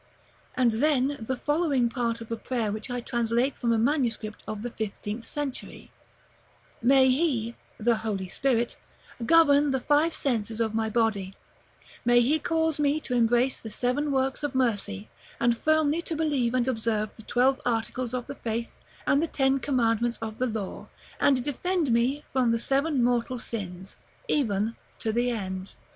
And then the following part of a prayer which I translate from a MS. of the fifteenth century: "May He (the Holy Spirit) govern the five Senses of my body; may He cause me to embrace the Seven Works of Mercy, and firmly to believe and observe the Twelve Articles of the Faith and the Ten Commandments of the Law, and defend me from the Seven Mortal Sins, even to the end."